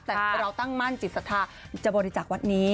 แต่เราตั้งมั่นจิตศรัทธาจะบริจาควัดนี้